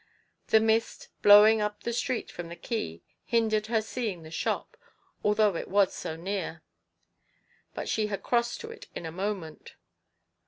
The mist, blowing up the street from the Quay, hindered her seeing the shop, although it was so near ; but she had crossed to it in a moment.